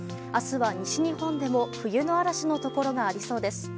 明日は西日本でも冬の嵐のところがありそうです。